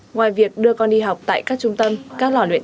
ngoài việc đưa con đi học tại các trung tâm các lò luyện